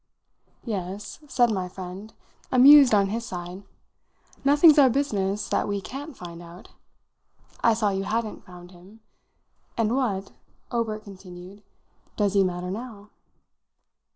"Yes," said my friend, amused on his side, "nothing's our business that we can't find out. I saw you hadn't found him. And what," Obert continued, "does he matter now?"